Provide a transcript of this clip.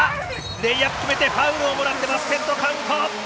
レイアップ決めてファウルをもらってバスケットカウント。